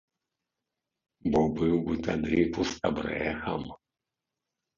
Бо быў бы тады пустабрэхам.